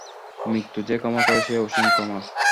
মৃত্যু যে ক্ষমা করে সেই অসীম ক্ষমা।